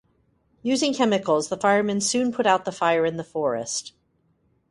Using chemicals, the firemen soon put out the fire in the forest.